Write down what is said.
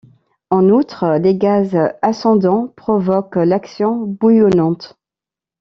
En outre, les gaz ascendants provoquent l’action bouillonnante.